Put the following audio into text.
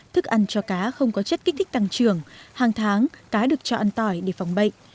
thức ăn cho cá không có chất kích thích tăng trưởng hàng tháng cá được cho ăn tỏi để phòng bệnh